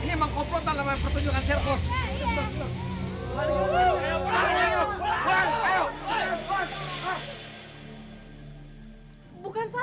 ini memang komplotan dengan pertunjukan serkos